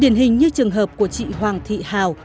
điển hình như trường hợp của chị hoàng thị hào